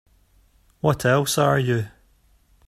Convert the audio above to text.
What else are you?